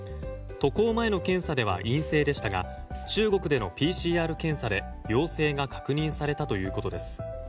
渡航前の検査では陰性でしたが中国でのＰＣＲ検査で陽性が確認されたということです。